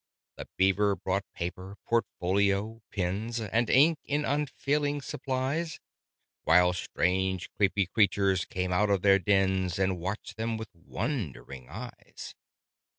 The Beaver brought paper, portfolio, pens, And ink in unfailing supplies: While strange creepy creatures came out of their dens, And watched them with wondering eyes.